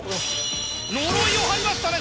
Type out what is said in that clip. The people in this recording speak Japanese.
「呪」を貼りましたね